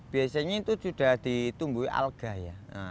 biasanya itu sudah ditumbui alga ya